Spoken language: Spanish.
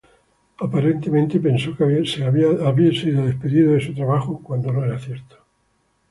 Aparentemente, pensó que había sido despedido de su trabajo, cuando no era cierto.